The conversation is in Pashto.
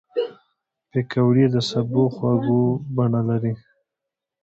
پکورې د سبو خواږه بڼه لري